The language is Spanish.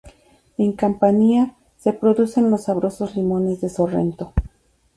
En Campania se producen los sabrosos limones de Sorrento.